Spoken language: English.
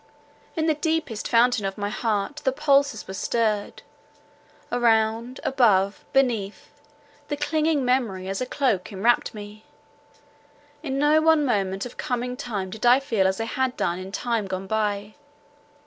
In the deepest fountain of my heart the pulses were stirred; around, above, beneath, the clinging Memory as a cloak enwrapt me. In no one moment of coming time did I feel as I had done in time gone by.